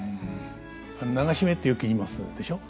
「流し目」ってよく言いますでしょ。